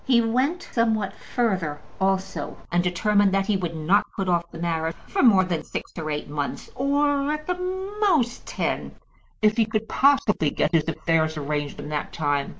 He went somewhat further also, and determined that he would not put off the marriage for more than six or eight months, or, at the most, ten, if he could possibly get his affairs arranged in that time.